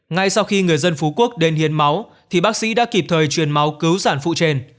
ngay sau khi người dân phú quốc đến hiến máu thì bác sĩ đã kịp thời truyền máu cứu sản phụ trên